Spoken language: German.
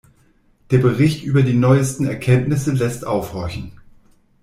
Der Bericht über die neuesten Erkenntnisse lässt aufhorchen.